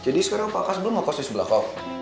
jadi sekarang pak kas belum mau kos di sebelah kau